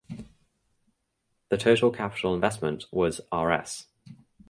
The total capital investment was Rs.